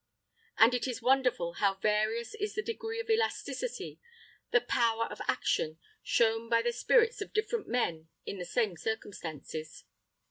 And it is wonderful how various is the degree of elasticity the power of action shown by the spirits of different men in the same circumstances.